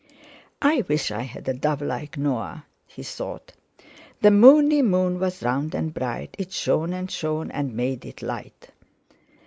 'I wish I had a dove like Noah!' he thought. "The moony moon was round and bright, It shone and shone and made it light."